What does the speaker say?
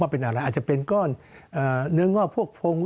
เป็นอะไรอาจจะเป็นก้อนเนื้องอกพวกพง